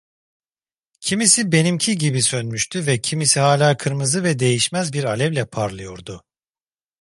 Kimisi benimki gibi sönmüştü ve kimisi hala kırmızı ve değişmez bir alevle parlıyordu.